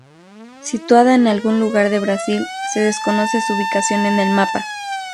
Situada en algún lugar de Brasil, se desconoce su ubicación en el mapa.